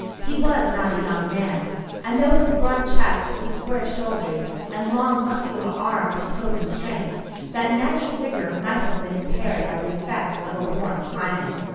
He was not a young man; and though his broad chest, square shoulders, and long, muscular arms betokened strength, that natural vigour might have been impaired by the effects of a warm climate.